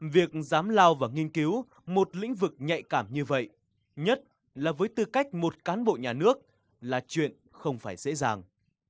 việc dám lao và nghiên cứu một lĩnh vực nhạy cảm như vậy nhất là với tư cách một cán bộ nhà nước là chuyện không phải dễ dàng